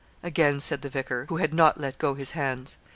again said the vicar, who had not let go his hands.